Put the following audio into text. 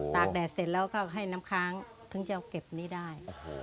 กแดดเสร็จแล้วก็ให้น้ำค้างถึงจะเอาเก็บนี้ได้